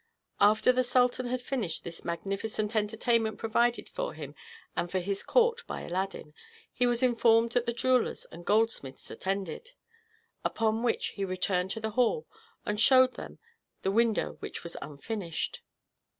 After the sultan had finished this magnificent entertainment provided for him and for his court by Aladdin, he was informed that the jewellers and goldsmiths attended; upon which he returned to the hall, and showed them the window which was unfinished.